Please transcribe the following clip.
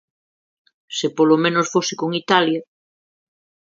Se polo menos fose con Italia.